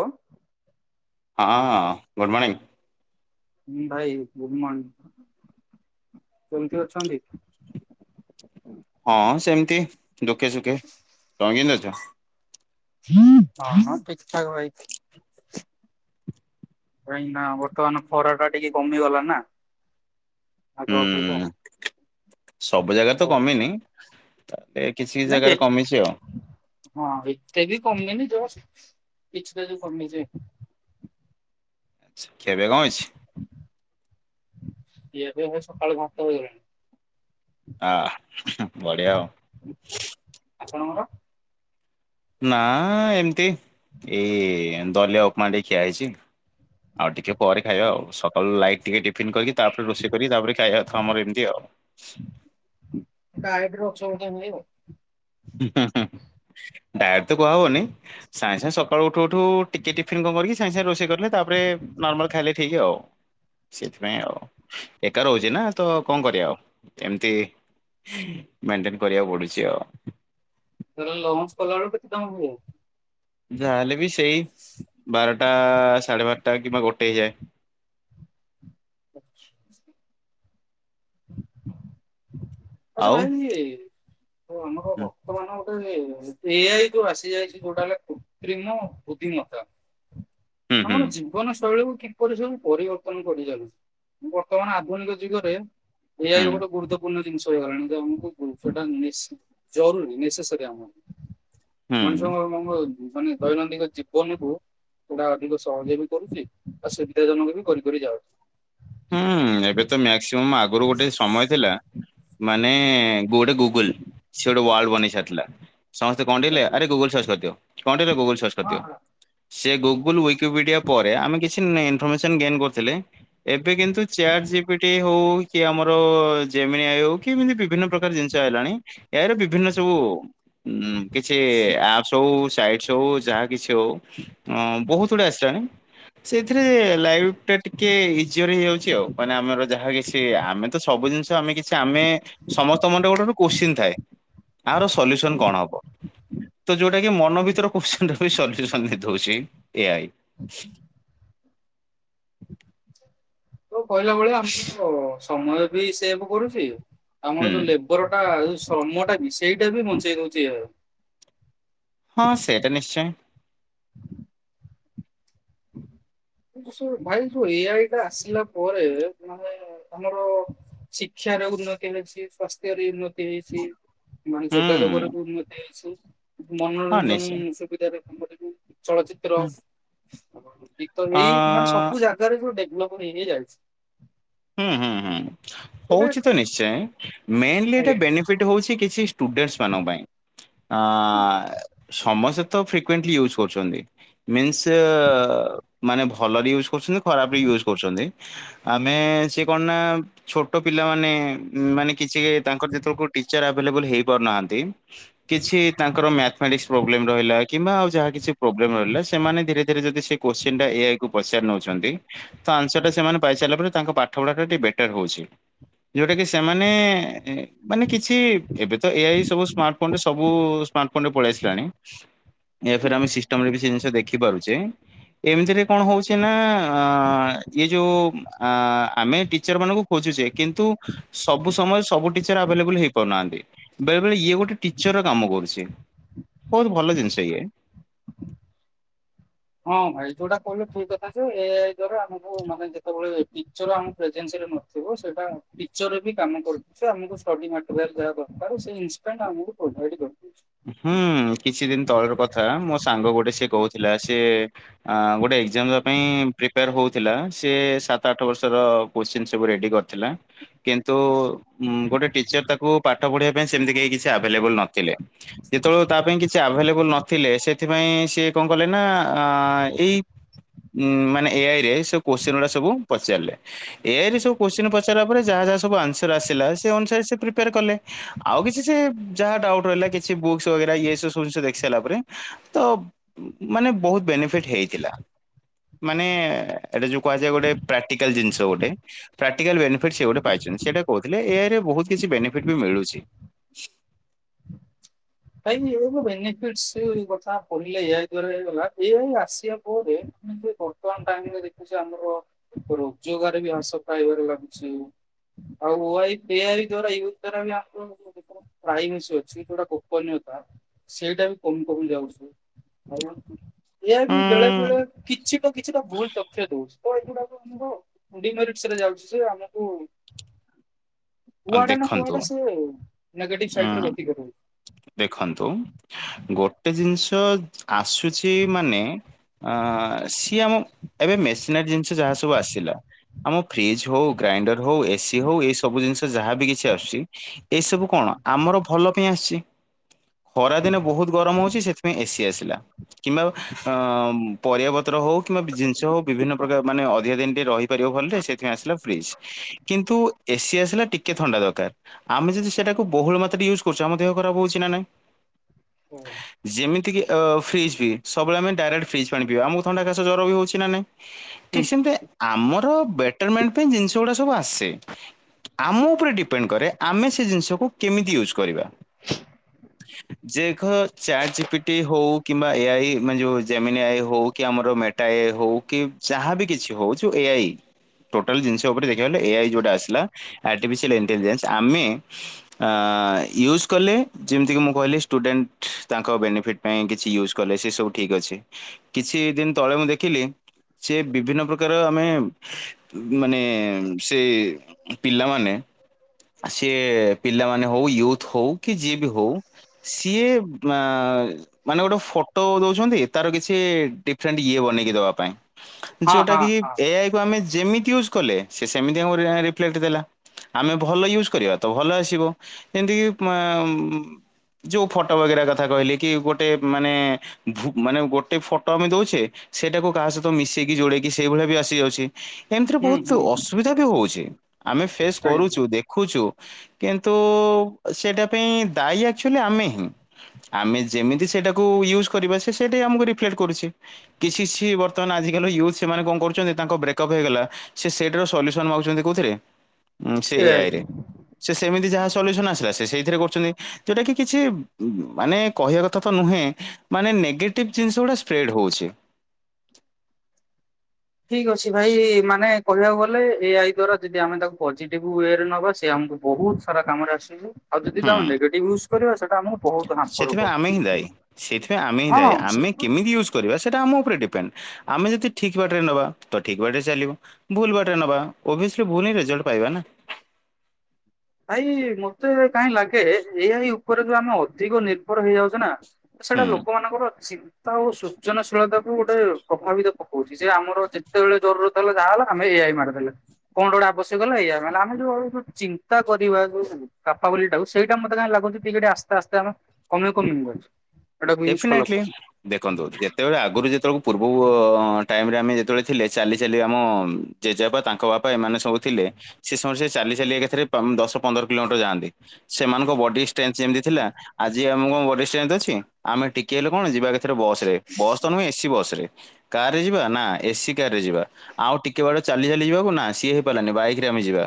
କଁ। ହଁ good morning. ହୁଁ ଭାଇ ଗୁଡ୍ ମଣ୍ଣିଂ କେମିତି ଅଛନ୍ତି। ହଁ ସେମିତି ଦୁଃଖେ ସୁଖେ ତମେ କେଁତି ଅଛ। ହଁ ହଁ ଠିକ୍ ଠାକ୍ ଭାଇ। କାଇଁ ନା ବର୍ତ୍ତମାନ ଖରା ଟା ଟିକେ କମିଗଲା ନା ଆଗ ଅପେକ୍ଷା। ହୁଁ ସବୁ ଜାଗା ରେ ତ କମିନି ତାହେଲେ କିଛି କିଛି ନାଇଁ ଜାଗାରେ କମିଛି ଆଉ। ହଁ ଏତେ ବି କମିନି ଯଷ୍ଟ୍ କିଛି ଟା କମିଛି। ଖିଆ ପିଆ କଁ ହେଇଛି। ଖିଆ ପିଆ ଭାଇ ସକାଳ ଭାତ ହେଇଗଲାଣି। ଆ ହୁଁ ହୁଁ ବଢ଼ିଆ ଆଉ। ଆପଣଙ୍କର। ନା ଏମିତି ଏଇ ଦଲିଆ ଉପମା ଟିକେ ଖିଆ ହେଇଛି। ଆଉ ଟିକେ ପରେ ଖାଇବା ଆଉ ସକାଳୁ ଲାଇଟ୍ ଟିକେ ଟିଫିନ୍ କରିକି ତାପରେ ରୋଷେଇ କରିକି ତାପରେ ଖାଇବା କଥା ଆମର ଏମିତି ଆଉ। ଡାଇଟ୍ ରେ ଅଛ ବୋଧେ ଆଉ। ହିହହିହ। ଡାଇଟ୍ ତ କୁହାହବନି ସାଙ୍ଗେ ସାଙ୍ଗେ ସକାଳୁ ଉଠୁ ଉଠୁ ଟିକେ ଟିଫନ୍ କଣ କରିକି ସାଙ୍ଗେ ସାଙ୍ଗେ ରୋଷେଇ କଲେ। ତାପରେ ନର୍ମାଲ ଖାଇଲେ ଠିକ୍ ଆଉ। ସେଥିପାଇଁ ଆଉ ଏକା ରହୁଛି ନା ତ କଣ କରିବା ଆଉ ଏମିତି। ମେଣ୍ଟେନ୍ କରିବାକୁ ପଡୁଛି ଆଉ। ତାହେଲେ ଲଞ୍ଚ କଲା ବେଳକୁ କେତେ ଟାଇମ୍ ହୁବ। ଯାହାହେଲେ ବି ସେଇ ବାରଟା ସାଢେ ବାରଟା କିମ୍ବା ଗୋଟେ ହେଇଯାଏ। ଆ। ଆଚ୍ଛା ଆଉ ଭାଇ। ଆମର ହୁଁ ବର୍ତ୍ତମାନ ଏ ଆଇ ଯୋଉ ଆସିଯାଇଛି କୋଉଟାହେଲା କୃତ୍ରିମ ବୃଢ଼ିମତା ହୁଁ ହୁଁ ଆମର ଜୀବନ ଶୈଳୀକୁ କିପରି ସବୁ ପରିବର୍ତ୍ତନ କରିଚାଲିଛି? ବର୍ତ୍ତମାନ ଆଧୁନିକ ଯୁଗରେ ଏ ଆଇ ଗୋଟେ ଗୁରୁତ୍ୱପୂର୍ଣ୍ଣ ଜିନିଷ। ତ ହେଇଗଲାଣି ତ ଆମକୁ ଜିନିଷଟା ନିସ୍ ଜରୁରୀ ନେସେସରୀ ହୁଁ ଆମର। ହୁଁ ମଣିଷଙ୍କ [unintelligible] ମାନେ ଦୈନଦିନ ଜୀବନକୁ ଗୁଡା ଅଧିକ ସହଜ ବି କରୁଛି ଆଉ ସୁବିଧା ଜନକ ବି କରିିକରି ଯାଉ ହୁଁ, ଏବେ ତ ମାକ୍ସିମୁମ୍ ଆଗରୁ ଗୋଟେ ସମୟ ଥିଲା ମାନେ ଗୋଟେ ଗୁ ଗୁଗୁଲ ସିଏ ଗୋଟେ ୱାର୍ଲଡ ବନେଇ ସାରିଥିଲା, ସମସ୍ତେ କଣ ଟିକେହେଲେ ଆରେ ଗୁଗଲ ସର୍ଚ୍ଚ କରିଦିଅ। କଣ ଟିକେହେଲେ ଗୁଗୁଲ ସର୍ଚ୍ଚ କରିଦିଅ। ସେ ଗୁଗୁଲ ୱିକିପିଡିଆ ପରେ ଆମେ କିଛି ନେ ଇନଫର୍ମେସନ ଗେନ୍ କରୁଥିଲେ। ଏବେ କିନ୍ତୁ ଚାଟ୍ ଜିପିଟି ହଉ କି ଆମର ଜେମିନିଆ ଆଇ ହଉ, କି ଏମିତି ବିଭିନ୍ନ ପ୍ରକାର ଜିନିଷ ଆଇଲାଣି। ଏ ଆଇ ର ବିଭିନ୍ନ ସବୁ ଉଁ କିଛି ଆପ୍ ସବୁ ସାଇଟ୍ ସବୁ ଯାହା କିଛି ହଉ ବହୁତ ଗୁଡେ ଆସିଲାଣି। ସେଇଥିରେ ଲାଇଫ ଟା ଟିକେ [unintelligible] ହେଇଯାଉଛି ଆଉ। ମାନେ ଆମର ଯାହା କିଛି ଆମେ ତ ସବୁ ଜିନିଷ ଆମେ କିଛି ଆମେ ସମସ୍ତଙ୍କ ମୁଣ୍ଡେରେ ଗୋଟେ ଗୋଟେ କୋଶ୍ଚିନ୍ ଥାଏ, ଆର ସଲ୍ୟୁସନ କଣ ହବ? ତ ଯୋଉଟା କି ମନ ଭିତର କୋଷ୍ଚିନଟାର ବି ସଲ୍ୟୁସନଦଉଛି ଏ ଆଇ। ତୋ କହିଲା ଭଳିଆ, ଆମର ସମୟ ବି ସେଭ କରୁଛି ହୁଁ। ଆମର ଯୋଉ ଲେବ ଉପରଟା ଯୋଉ ଶ୍ରମଟା ବି ସେଇଟା ବି ବଞ୍ଚେଇ ବଞ୍ଚେଇ ଯାଉ ହଁ, ସେଇଟା ନିଶ୍ଚୟ। [inaudible] ଶୁଣ ଭାଇ ଯୋଉ ଏ ଆଇ ଟା ଆସିଲା ପରେ ମାନେ ଆମର ଶିକ୍ଷାର ଉନ୍ନତି ହେଇଛି, ସ୍ଵାସ୍ଥ୍ୟର ଉନ୍ନତି ହେଇଛି। ମାନେ ହୁଁ ଯୋଗାଯୋଗରେ ବି ଉନ୍ନତି ହେଇଛି, ହଁ ମନୋରଞ୍ଜନ ନିଶ୍ଚୟ ସୁବିଧାରେ [unintelligible] ଚଳଚିତ୍ର, ହୁଁ ଗୀତ ଅ ଏଇ ମାନେ ସବୁ ତା ରେ ଯଉ ଡେଭଲପ ହେଇ ହେଇ ଯାଇଛି। ହୁଁ ହୁଁ ହୁଁ, ଏଇଟା ହଉଛି ତ ନିଶ୍ଚୟ। ମେନଲି ଏଇଟା ଆଜ୍ଞା। ବେନିଫିଟ ହଉଛି କିଛି ଷ୍ଟୁଡେଣ୍ଟସ୍ ମାନଙ୍କ ପାଇଁ ଅଁ ସମସ୍ତେ ତ ଫ୍ରିକଏଣ୍ଟଲି ୟୁଜ୍ କରୁଛନ୍ତି। ମିନ୍ସ ମାନେ ଭଲରେ ୟୁଜ୍ କରୁଛନ୍ତି, ଖରାପ ୟୁଜ୍ କରୁଛନ୍ତି। ଆମେ ସିଏ କଣ ନା ଛୋଟ ପିଲାମାନେ ମାନେ କିଛି ତାଙ୍କର ଯେତେବେଳ କଉ ଟିଚର ଆଭେଲେବଲ ହେଇପାରୁନାହାନ୍ତି କିଛି ତାଙ୍କର ମ୍ୟାଥମେଟିକସ ପ୍ରୋବ୍ଲେମ ରହିଲା କିମ୍ବା ଆଉ ଯାହା କିଛି ପ୍ରୋବ୍ଲେମ ରହିଲା ସେମାନେ ଧୀରେ ଧୀରେ ଯଦି ସେ କୋଷ୍ଚିନଟା ଏଆଇ କୁ ପଚାରି ନଉଛନ୍ତି ତ ଆନ୍ସର ଟା ସେମାନେ ପାଇସାରିଲା ପରେ, ତାଙ୍କ ପା ଠ ପଢ଼ା ଟିକେ ବେଟର ହଉଛି। ଯୋଉଟା କି ସେମାନେ ମାନେ କିଛି ଏବେ ତ ଏ ଆଇ ସବୁ ସ୍ମାର୍ଟ ଫୋନରେ ସବୁ ସ୍ମାର୍ଟଫୋନରେ ପଳାଇ ଆସିଲାଣି। [inaudible] ଏଥିରେ ଆମେ ସିଷ୍ଟମରେ କିଛି ଜିନିଷ ଦେଖିପାରୁଛେ। ଏମିତିରେ କଣ ହଉଛି ନା ଅ? ଇଏ ଯୋଉ ଆ ଆମେ ଟିଚର ମାନଙ୍କୁ ଖୋଜୁଛେ କିନ୍ତୁ ସବୁ ସମୟରେ ସବୁ ଟିଚର ଆଭେଲେବୁଲ ହେଇପାରୁନାହାନ୍ତି। ବେଳେ ବେଳେ ଇଏ ଗୋଟେ ଟିଚର କାମ କରୁଛି, ବହୁତ ଭଲ ଜିନିଷ ଇଏ। ହଁ, ଭାଇ ଯୋଉଟା କହିଲେ ଠିକ କଥା ଯେ ଏ ଆଇ ଆମକୁ ମାନେ ଯେତେବେଳେ ଟିଚର ଆମ ପ୍ରେସେନ୍ସ ଥିବ ସେଇଟା ଟିଚର ବି କାମ କରୁଚି, ଆମକୁ ଷ୍ଟଡି ମ୍ୟାଟେରିଆଲ ଯାହା ଦରକାର୍ ସେ [unintelligible] ପ୍ରୋଭାଇଡ କରିଛି। ହୁଁ କିଛି ଦିନ ତଳର କଥା ମୋ ସାଙ୍ଗ ଗୋଟେ ସିଏ କହୁଥିଲା ସିଏ ଅ ଗୋଟେ ଏକ୍ଜାମ ଦେବା ପାଇଁ ପ୍ରିପାର ହଉଥିଲା, ସେ ସାତ ଆଠ ବର୍ଷର କୋ୍ଶ୍ଚିନ ସବୁ ରେଡି କରିଥିଲା। କିନ୍ତୁ ହୁଁ ଗୋଟେ ଟିଚର୍ ତାକୁ ପାଠ ପଢ଼ିବା ପାଇଁ ସେମିତି କେହି କିଛି ଆଭେଲେବଲ୍ ନଥିଲେ, ଯେତେବେଳ ତା ପାଇଁ କିଛି ଆଭେଲେବୁଲ୍ ନ ଥିଲେ ସେଥିପାଇଁ ସିଏ କଣ କଲେ ନା ଆ ଏଇ, ଉଁ ମାନେ ଏଆଇ ରେ ସେ କୋଚେନ୍ ଗୁଡ଼ା ସବୁ ପଚାରିଲେ। ଏଆଇ ରେ ସବୁ କୋଚେନ୍ ପଚାରା ପରେ ଯାହା ଯାହା ସବୁ ଆସର, ତ୍ରେ ଆସିଲା ସେ ଅନୁସାରେ ସେ ପ୍ରିପ୍ରାୟର କଲେ ଆଉ କିଛି ଯାହା ଡାଉଟ ରହିଲା କିଛି ବୁକ୍ ବଗେରା ଇଏ ସବୁ ଶୁଣିଛୁ ଦେଖି ସାରିଲା ପରେ ତ ମାନେ ବହୁତ ବେନିଫିଟ୍ ହେଇଥିଲା। ମାନେ ଏଇଟା ଯୋଉ କୁହାଯାଏ ଗୋଟେ ପ୍ରାକ୍ଟିକାଲ୍ ଜିନିଷ ଗୋଟେ, ପ୍ରାକ୍ଟିକାଲେନିଫିଟ ସେ ଗୋଟେ ପାଇଛନ୍ତି ସେଇଟା କହୁଥିଲେ ଏଆଇ ରେ ବହୁତ କିଛି ବେନିଫିଟ୍ ବି ମିଳୁଛି। କାଇହିଁକି ଏଇଠୁ ବେନିଫିଟସ୍ ସେ କଥା ପଢ଼ିଲେ ଏଆଇ ଦ୍ଵାର ହେଇଗଲା ଏଆଇ ଆସିବା ପରେ, ହୁଁ ସେବର୍ତ୍ତମାନ ଟାଇମରେ ଦେଖୁଛେ ଆମର, ରୋଜଗାର ବି ହାସ ପାଇବାରେ ଲାଗୁଛି। ଆଉ ଓଆଇ ଏଆଇ ଦ୍ଵାରା ଇୟୁଜ୍ କରା ଆପଣ [unintelligible] ପାଇମ୍ ଅଛି ଜଉଟାକୋ, ଗୋନୀୟତା ସେଇଟା ବି କମି କମି ଯାଉଛୁଉ [unintelligible] ଏହା ବି ବେଳେ ବେଳେ କିଛି ତ କିଛି ତ ଭୁଲ ତକ୍ଷ୍ୟ ଦଉଛି। ଆଉ ଏଗୁଳାକ କୁହ ଡିମେଟରେ ଯାଉଛି ଯେ ଆମକୁ, ଉଁ କୁଆଡ଼େ ନା ଦେଖନ୍ତୁ କୁଆଊଡେ ସେ ନେଗେଟିଭ ଉଁ ସାଇଡରେ ଗତି କରୁଛି, ଦେଖନ୍ତୁ ଗୋଟେ ଜିନିଷ ଆସୁଛି ମାନେ, ଆ ସିଏ ଆମ ଏବେ ମେସିନାରୀ ଜିନିଷ ଯାହା ସବୁ ଆସିଲା, ଆମ ଫ୍ରିଜ୍ ହଉ ଗ୍ରାଇଣ୍ଡର ହଉ ଏସିି ହଉ ଏଇ ସବୁ ଜିନିଷ ଯାହାବି କିଛି ଆସୁଛି, ଏଇ ସବୁ କଣ ଆମର ଭଲ ପାଇଁ ଆସିଛି। ଖରାଦିନେ ବହୁତ ଗରମ ହଉଛି ସେଥିପାଇଁ ଏସି ଆସିଲା କିମ୍ବା ଆମ୍, ପରିବାପତ୍ର ହଉ କିମ୍ବା ଜିନିଷ ହଉ ବିଭିନ୍ନ ପ୍ରକାର ମାନେ ଅଧିକା ଦିନ ଟେ ରହିପାରିବ ଭଲଟେ ସେଇଥିାଇଁ ଆସିଲା ଫ୍ରିଜ୍। କିନ୍ତୁ ଏସି ଆସିଲା, ଟିକେ ଥଣ୍ଡା ଦରକାର ଆମେ ଯଦି ସେଟାକୁ ବହୁଳ ମାତ୍ରାରେ ୟୁଜ୍ କରୁଛୁ ଆମେ ଦେହ ଖରା ହଉଛି ନାଇଁ? ହୁଁ, ଯେମିତି କିି ଅ ଫ୍ରିଜ୍-ଫ୍ରିଜ୍ ସବୁବେଳେ ଆମେ ଡାଇରେଟ୍ ଫ୍ରିଜ୍ ପାଣି ପିୟୁ ଆମକୁ ଥଣ୍ଡା ଘାସ ଜର ବି ହଉଛି ନା ନାଇଁ, ଠିକ୍ ସେମତି ଆମର ବେଟରମେଣ୍ଟ ପାଇଁ ଜିନିଷ ଗୁଡ଼ା ସବୁ ଆସେ, ଆମ ଉପରେ ଡିପେଣ୍ଡ କରେ ଆମେ ସେ ଜିନିଷକୁ କେମିତି ୟୁଜ୍ କରିବା। ଯେଖ ଚେଟ୍ ଜିପିଟି ହଉ କିମ୍ବା ଏ ଆଇ ମାନେ ଯୋଉ ଜମିନି ଆଇ ହଉ କି ଆମର ମେଟ୍, ଟା ଏ ହଉ କି ଯାହାବ କିଛି ହଉ ଯୋଉ ଏଆଇ, ଟୋଟାଲ ଜିନିଷ ଉପରେ ଦେଖିବାନି ଏଆଇ ଯୋଉଟା ଆସିଲା ଆଟିଫିସିଆଲ ଇନ୍ ଣ୍ଟେଲିଜେଣ୍ଟ ଆମେ, ଆଉ ୟୁଜ୍ କଲେ ଯେମିତିକି ମୁଁ କହିଲି ଷ୍ଟୁଡେଣ୍ଟ ତାଙ୍କ ବେନିଫିଟ୍, ପାଇଁ କିଛି ୟୁଜ୍ କଲେ ସେ ସବୁ ଠିକ ଅଛି କିଛି ଦିନ ତଳେ ମୁଁ ଦେଖିଲି, ସେ ବିଭିନ୍ନ ପ୍ରକାର ଆମେ ମାନେ ସେ, [unintelligible] ପିଲାମାନେ ସିଏ ପିଲାମାନେ ହଉ ୟୁଥ୍ ହଉ କି ଯିଏ ବି ହଉ, ସିଏ ମା ମାନେ ଗୋଟେ ଫଟୋ ଦଉଛନ୍ତି। ତାର କିଛି ଡିଫରେଣ୍ଟ ଇଏ ବନେଇକି ଦେବା ପାଇଁ ହଁ ଯୋଉଟା ହଁ କି ହଁ। ଏଆଇ, ତୁ ଆମେ ଜେମିତି ୟୁଜ୍ କଲେ ସେ ସେମିତି [unintelligible] କ୍ଲେଟ୍ ଦେଲା ଆମେ ଭଲ ୟୁଜ୍ କରିବା ତ ଭଲ ଆସିବ ଏମିତି ମା [unintelligible] ଯୋଉ ଫଟୋ ବଗେରା କଥା କହିଲି କି ଗୋଟେ ମାନେ, ଭୁ ମାନେ ଗୋଟେ ଫଟୋ ଆମେ ଦଉଛେ ସେଇଟାକୁ କାହା ସହିତ ମିଶେଇକି ଯୋଡ଼େଇକି ସେଇଭଳିଆ ବି ଆସି ସେ, ଏମିତିରେ ହୁଁ ବହୁତ ହୁଁ ଅସୁବିଧା ବି ହଉଛି ଆମେ ଫେସ୍ କରୁଛୁ, ଆଜ୍ଞା ଦେଖୁଛୁ କିନ୍ତୁ ସେଇଟା ପାଇଁ ଦାୟୀ ଆକ୍ଚୁଆଲି ଆମେ ହିଁ, ଆମେ ଯେମିତି ସେଇଟାକୁ ୟୁଜ୍ କରିବା ସେ ସେଇଟା ଆମକୁ ରିଫ୍ଲେକ୍ଟ କରୁଛି। କିଛି କିଛି ବର୍ତ୍ତମାନ ଆଜିକାଲି ୟୁଜ୍ ସେମାନେ କ କରୁଛନ୍ତି ତାଙ୍କ ବ୍ରେକଅପ୍ ହେଇଗଲା, ସେ ସେଟା ର ସଲ୍ୟୁସନ ମାଗୁଛନ୍ତି କୋଉଥିରେ ସେ ଏ ଏଆଇରେ, ସେ ସେମିତି ଯାହା ସଲ୍ୟୁସନ ଆସିଲା ସେ ସେଇଥିରେ କରୁଛନ୍ତି ଯୋଉଟା କି କିଛି ଉବ୍ ମାନେ କହିବା କଥା ତ ନୁହେଁ, ମାନେ ନେଗେଟିଭ୍ ଜିନିଷ ଗୁଡ଼ା ସ୍ପ୍ରେଡ଼୍ ହେଉଛି। ଠିକ୍ ଅଛି ଭାଇ ମାନେ, କହିବାକୁ ଗଲେ ଏ ଆଇ ଦ୍ଵା ଯଦି ଆମେ ତାକୁ ପଜିଟିଭ ୱରେ ନବା ସେ ଆମକୁ ବହୁତ ସାରା କାମରେ ଆସିବୁ, ଆଉ ଯଦି ତମେ ହୁଁ ନେଗେଟିଫ୍ ୟୁଜ କରିବା ସେଟା ଆମୁ ସେଥିପାଇଁ ଆମେ ହିଁ ଦାଇ ସେଥିପାଇ ଆମେ ହିଁ ଦାଇ ହଁ ଆମେ କେମିତି ୟୁଜ୍, କରିବା ସେଇଟା ଆମ ଉପରେ ଡିପେଣ୍ଡ ଆମେ ଯଦି ଠିକ୍ ବାଟରେ ନେବା ତ ଠିକ୍ ବାଟରେ ଚାଲିବ, ଭୁଲ ବାଟରେ ନେବା ଅବେସ୍ଲି ଭୁଲ ହିଁ ରେଜଲ୍ଟ ପାଇବା ନା ଭାଇ ମତେ କାହିଁ ଲାଗେ ଏଇଆଇ ଉପରେ ଯୋ ଆମେ ଅଧିକ ନିର୍ଭ ହେଇଯାଉଛେ ନା। ସେଇଟା ହୁଁ ଲୋକମାନଙ୍କର ସୀତା ଓ ସୃଜନଶୀଳତା କୁ ଗୋଟେ ପ୍ରଭାବିତ ପକଉଛି ଯେ ଆମର ଯେତେବେଳେ ଜରୁର ଯହାହେଲା ଆମେ ଏଆଇ ମାଡଖାଇଲେ କଣ ଗୋଟେ ଆବଶ୍ୟକ ହେ ଏଆଇରେ ଆମେ ଯୋଉ [unintelligible] ତା କରିବା କପାଲି ଟାକୁ ସେଇଟା ମତେ କହିଁ ଲାଗୁଛିିକେ ଆସ୍ତେ-ଆସ୍ତେ ଆମ [unintelligible] ଗଛ ଡେଫିନେଟଲି। ଦେଖନ୍ତୁ ଯେତେବେଳେ ଆଗରୁ ଯେତେବେଳକୁ ପୂର୍ବ ଟାଇମରେ ଆମେ ଯେତେବେଳେ ଥିଲେ ଚାଲି ଚାଲି ଆମ ଜେଜେବା ତାଙ୍କ ବାପା ଏମାନେ ସବୁ ଥିଲେ ସେ ସବୁ ସେ ଚାଲି ଚାଲି ଏକାଥରେ ତମ୍ ଦଶ ପନ୍ଦର କିଲୋମିଟର ଯାଆନ୍ତି। ସେମାନଙ୍କ ବଡି ଇସ୍ଟ୍ରେନ୍ଜ୍ ଯେମିତି ଥିଲା ଆଜି ଆମ ବଡି ଇସ୍ଟ୍ରେନ୍ଜ୍ ଅଛି ଆମେ ଟିକେ ହେଲେ କଣ ଯିବା, ଏଥିରେ ବସ୍ ରେ ବସ୍ ତ ନୁହେଁ ଏସି ବସ ରେ କାର ରେ ଯିବା ନା ଏସି କାର ରେ ଯିବା। ଆଉ ଟିକେ ବେଳେ ଚାଲି-ଚାଲି ଯିବାକୁ ନା ସିଏ ହେଇପାରିଲାନି ବାଇକ ରେ ଆମେ ଯିବା,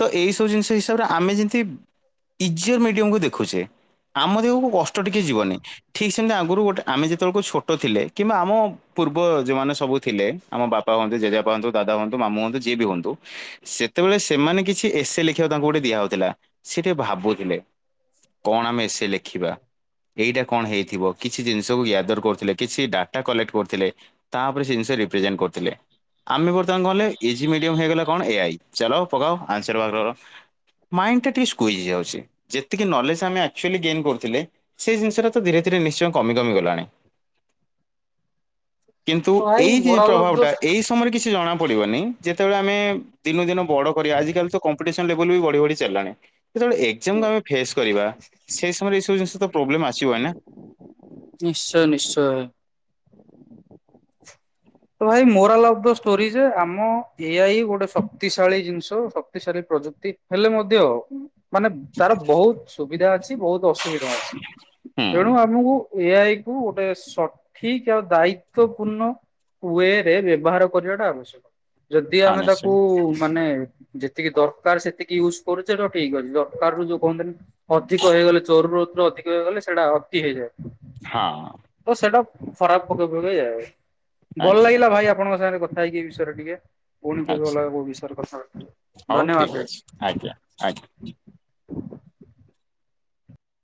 ତ ଏଇ ସବୁ ଜିନିଷ ହିସାବରେ ଆମେ ଯେମିତି, ଇଜିୟର୍ ମିଡିୟମକୁ ଦେଖୁଛେ ଆମ ଦେହକୁ ଅଷ୍ଟ ଟିକେ ଯିବନି, ଠିକ୍ ସେମିତି ଆଗରୁ ଗୋଟେ ଆମେ ଯେତେବେଳକୁ ଛୋଟ ଥିଲେ କିମ୍ବା ଆମ, ପୂର୍ବ ଯଉମାନେ ସବୁ ଥିଲେ ଆମ ବାପା ହୁଅନ୍ତୁ ଜେଜେ ବାପା ହୁଅନ୍ତୁ ଦାଦା ହୁଅନ୍ତୁ ମାମୁ ହୁଅନ୍ତୁ ଯିଏ ବି ହୁଅନ୍ତୁ, ସେତେବେଳେ ସେମାନେ କିଛି ଏସେ ଲେଖିବାକୁ ତାଙ୍କୁ ଗୋଟେ ଦିଆହଉଥିଲା ସେ ଟିକେ ଭାବୁଥିଲେ। କଣ ଆମେ ଏସେ ଲେଖିବା ଏଇଟା କଣ ହେଇଥିବ କିଛି ଜିନିଷକୁ ୟାଦର କରୁଥିଲେ କିଛି ଡାଟା କଲେକ୍ଟ କରୁଥିଲେ। ତାପରେ ସେ ଜିନିଷ ରିଫ୍ଲେଜନ୍ କରିୁଥିଲେ ଆମେ ବର୍ତ୍ତମାନ କହିଲେ ଇଜି ମିଡିୟମ ହେଇଗଲା କଣ ଏଆଇ ଚାଲ ପକାଅ ଆନ୍ସର ବାହାର କର, ମାଇ ଟା ଟିକେ ସ୍କୁ ଯାଉଛି ଯେତିକି ନଲେଜ ଆମେ ଆକ୍ଚୁଲି ଗେନ୍ କରୁଥିଲେ ସେ ଜିନିଷ ଟାକ୍ ତ ଧୀରେ-ଧୀରେ ନିଶ୍ଚୟ କମି-କମି ଗଲାଣି। କିନ୍ତୁ ତ ଭାଇ ଏଇ ଯେ ମୋରାଲ ଅଫ ପ୍ରଭାବ ଦ ଟା ଏଇସ୍ ତମର କିଛି ଜଣା ପଡିବନି ଯେତେବେଳେ ଆମେ ଦିନୁ-ଦିନୁ ବଡ଼ କରିବା ଆଜ କାଲି ତ କମ୍ପିଟିସନ୍ ଲେବଲ ବି ବଢ଼ି-ବଢ଼ି ଚାିଲାଣି। ଯେତେବେଳେ ଏକ୍ଜାମକୁ ଷ୍ଟୋରି ଆମେ ଫେସ କରିବା ସେଇ ସମୟରେ ଏସବୁ ଜିନିଷ ତ ପ୍ରୋବ୍ଲେମ ଆସିବ ନା, ନିଶ୍ଚୟ ନିଶ୍ଚୟ। ତ ଭାଇ ମୋର ଦ ଷ୍ଟୋରି ଯେ ଆମ ଏଆଇ ହି ଗୋଟେ ଶକ୍ତିଶାଳୀ ଜିନିଷ ସ, ସକ୍ତି ସଳି ପ୍ରଯୁକ୍ତି ହେଲେ ମଧ୍ୟ ମାନେ ତାର ବହୁତ ସୁବିଧା ଅଛି। ବହୁତ ଅସୁବିଧା ଅଛି ହୁଁ ତେଣୁ ଆମକୁ, ଏଆଇକୁ ଗୋଟେ ସଠିକ୍ ଆଉ ଦାୟିତ୍ୱ ପୂର୍ଣ୍ଣ, କୁଏରେ ବ୍ୟବହାର କରିବାଟା ଆବଶ୍ୟକ ଯଦି ହଁ ଆମେ ନିଶ୍ଚୟ ତାକୁ ମାନେ ଯେତିକି ଦରକାର ସେତିକି ୟୁଜ୍ କରୁଛେ ଠିକ୍ ଅଛି ଦରକାର ରୁ ଯୋଉ କହନ୍ତିନି ଅଧିକ ହେଇଗଲେ ଚୋର ରଦ୍ର ଅଧିକ ହେଇଗଲେ ସେଇଟା ଅତି ହେଇଯାଏ। ହାଁ। ତ ସେଇଟା ଖରାପ ପକେଇ ପକେଇ ଯାଏ। ଭଲ ଆଜ୍ଞା ଲାଗିଲା ଭାଇ ଆପଣଙ୍କ ସାଙ୍ଗରେ କଥା ହେଇକି ଏ ବିଷୟରେ ଟିକେ। ପୁଣି କେବେ ଆଚ୍ଛା ଅଲଗା କଉ ବିଷୟରେ କଥା ହଉ ଠିକ ଧନ୍ୟବାଦ ଭାଇ। ଅଛି ଆଜ୍ଞା ଆଜ୍ଞା।